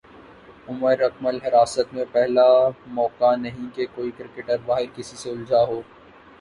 عمر اکمل حراست میںپہلا موقع نہیں کہ کوئی کرکٹر باہر کسی سے الجھا ہو